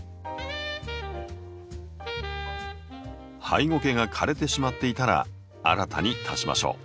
ハイゴケが枯れてしまっていたら新たに足しましょう。